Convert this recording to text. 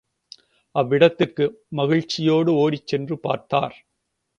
அவ்விடத்திற்கு மகிழ்ச்சியோடு ஓடிச் சென்று பார்த்தார்.